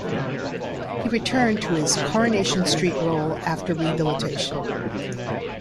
He returned to his "Coronation Street" role after rehabilitation.